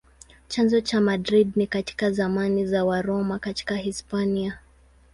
Chanzo cha Madrid ni katika zamani za Waroma katika Hispania.